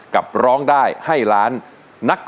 กลับร้องให้ร้านนัก